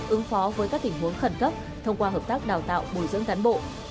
ứng phó với các tình huống khẩn cấp thông qua hợp tác đào tạo bồi dưỡng cán bộ